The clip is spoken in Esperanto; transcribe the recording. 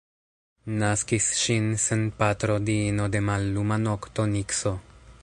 Naskis ŝin sen patro diino de malluma nokto Nikso.